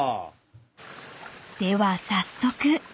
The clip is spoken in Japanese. ［では早速］